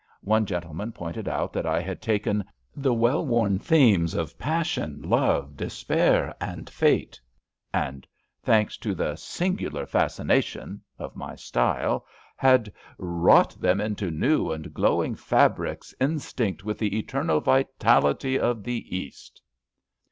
One gentleman pointed out that I had taken ^^ the well worn themes of passion^ love, despair and fate/' and, thanks to the '^ singular fascination '* of my style, had '' wrought them into new and glowing f abricks instinct with the eternal vitality of the East.''